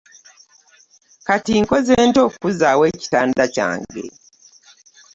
Kati nkoze ntya okuzaawo ekitanda kyange.